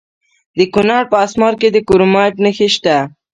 د کونړ په اسمار کې د کرومایټ نښې شته.